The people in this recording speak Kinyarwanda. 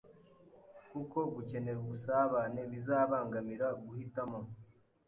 kuko gukenera ubusabane bizabangamira guhitamo